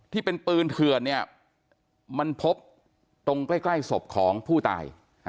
ที่เป็นปืนเถื่อนเนี่ยมันพบตรงใกล้ศพของผู้ตาย